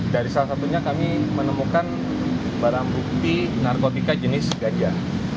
dari salah satunya kami menemukan barang bukti narkotika jenis ganja